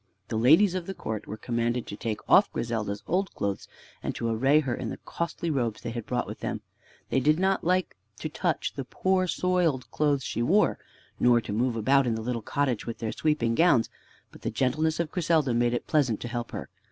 The ladies of the court were commanded to take off Griselda's old clothes and to array her in the costly robes they had brought with them. They did not like to touch the poor soiled clothes she wore, nor to move about in the little cottage with their sweeping gowns; but the gentleness of Griselda made it pleasant to help her.